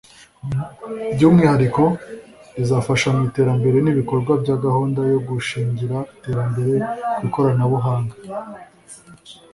By’umwihariko rizafasha mu iterambere n’ibikorwa bya gahunda yo gushingira iterambere ku ikoranabuhanga